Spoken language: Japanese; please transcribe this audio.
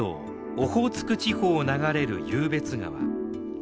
オホーツク地方を流れる湧別川。